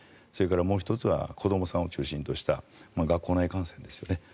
それから、もう１つは子どもさんを中心とした学校内感染ですよね。